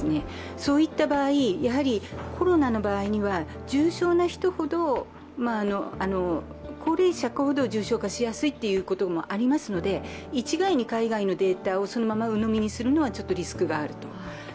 そういった場合、コロナの場合には高齢者ほど重症化しやすいということもありますので、一概に海外のデータをそのまま鵜呑みにするのはちょっとリスクがある。